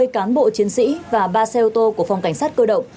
ba mươi cán bộ chiến sĩ và ba xe ô tô của phòng cảnh sát cơ động